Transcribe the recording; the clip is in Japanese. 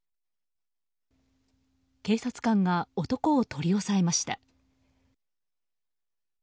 警察官が男を取り押さえました。